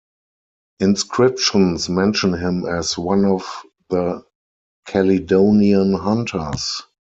Inscriptions mention him as one of the Calydonian hunters.